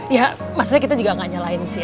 ya maksudnya kita juga gak nyalahin sih ya